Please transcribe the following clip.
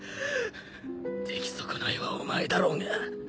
出来損ないはお前だろうが！